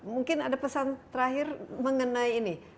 mungkin ada pesan terakhir mengenai ini